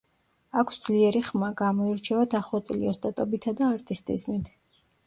აქვს ძლიერი ხმა, გამოირჩევა დახვეწილი ოსტატობითა და არტისტიზმით.